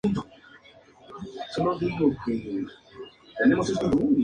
Perdió la categoría, descendiendo por primera vez en su historia a la segunda división.